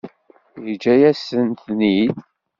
Yeǧǧa-yasen-ten-id?